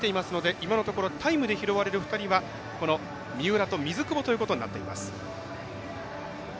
今のところタイムで拾われる２人は飯塚と水久保ということになっています。